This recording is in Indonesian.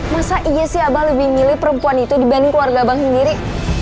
masa iya sih abang lebih ngeliat perempuan itu dibanding keluarga abang sendiri